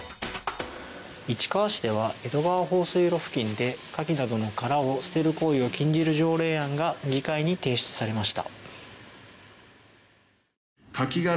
市川市では江戸川放水路付近でカキなどの殻を捨てる行為を禁じる条例案が議会に提出されました。